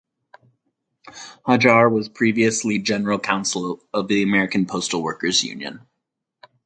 Hajjar was previously general counsel of the American Postal Workers Union.